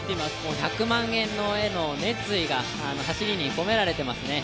１００万円への熱意が走りに込められていますね。